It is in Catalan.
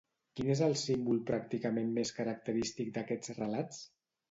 Quin és el símbol pràcticament més característic d'aquests relats?